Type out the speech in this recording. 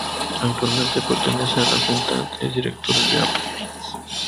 Actualmente pertenece a la junta de directores de Apple Inc.